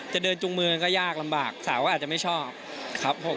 จะเดินจุงมือก็ยากลำบากสาวก็อาจจะไม่ชอบครับผม